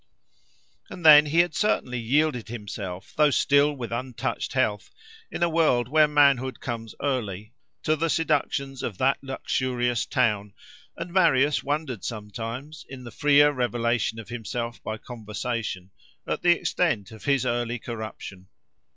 And then, he had certainly yielded himself, though still with untouched health, in a world where manhood comes early, to the seductions of that luxurious town, and Marius wondered sometimes, in the freer revelation of himself by conversation, at the extent of his early corruption.